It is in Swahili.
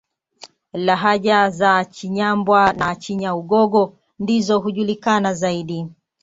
Lahaja za Cinyambwa na Cinyaugogo ndizo hujulikana zaidi